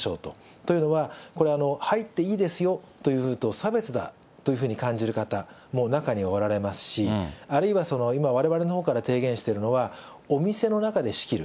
というのは、これ、入っていいですよというと、差別だというふうに感じる方も中にはおられますし、あるいは今、われわれのほうから提言しているのは、お店の中で仕切る。